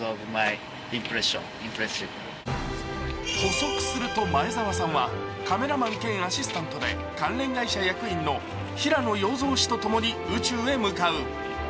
補足すると、前澤さんはカメラマン兼アシスタントで関連会社役員の平野陽三氏とともに宇宙へ向かう。